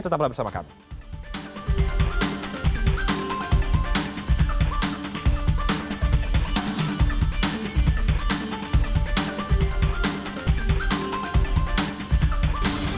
tetap bersama kami